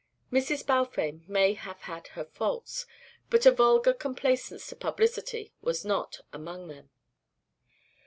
Mrs. Balfame may have had her faults, but a vulgar complaisance to publicity was not among them.